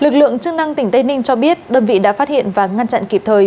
lực lượng chức năng tỉnh tây ninh cho biết đơn vị đã phát hiện và ngăn chặn kịp thời